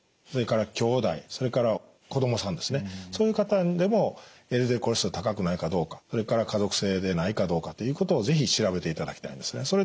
それからきょうだいそれから子どもさんですねそういう方でもＬＤＬコレステロール高くないかどうかそれから家族性でないかどうかということを是非調べていただきたいんですね。